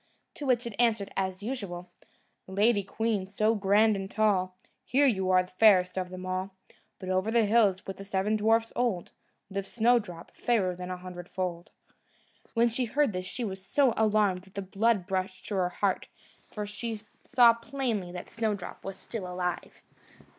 To which it answered, as usual: "Lady queen, so grand and tall, Here, you are fairest of them all; But over the hills, with the seven dwarfs old, Lives Snowdrop, fairer a hundredfold." When she heard this, she was so alarmed that all the blood rushed to her heart, for she saw plainly that Snowdrop was still alive.